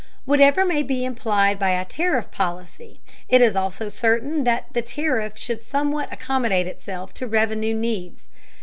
Whatever may be implied by a tariff "policy," it is also certain that the tariff should somewhat accommodate itself to revenue needs.